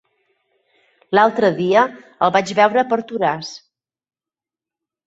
L'altre dia el vaig veure per Toràs.